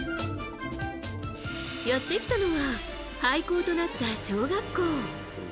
やってきたのは廃校となった小学校。